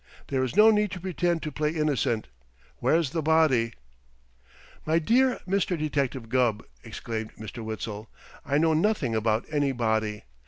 "There is no need to pretend to play innocent. Where is the body?" "My dear Mr. Detective Gubb!" exclaimed Mr. Witzel. "I know nothing about any body.